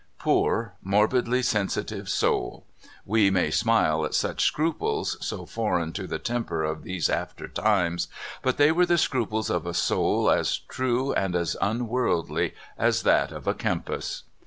Poor, morbidly sensitive soul ! we may smile at such scruples, so foreign to the tem per of these after times, but they were the scruples of a soul as true and as unworldly as that of a Kempis.